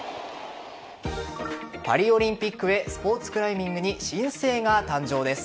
パリオリンピックへスポーツクライミングに新星が誕生です。